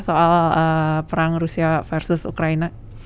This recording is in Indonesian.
soal perang rusia versus ukraina